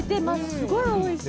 すごいおいしい。